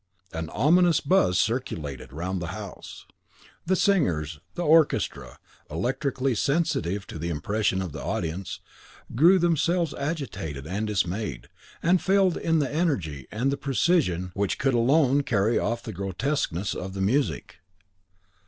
An ominous buzz circulated round the house: the singers, the orchestra, electrically sensitive to the impression of the audience, grew, themselves, agitated and dismayed, and failed in the energy and precision which could alone carry off the grotesqueness of the music.